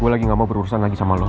gue lagi gak mau berurusan lagi sama lo